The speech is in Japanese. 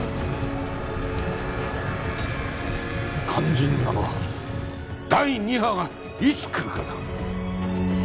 肝心なのは第二波がいつ来るかだ